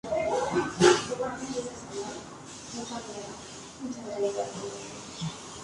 Duran cuatro años en sus cargos y pueden ser reelegidos.